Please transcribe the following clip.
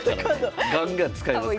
ガンガン使いますから。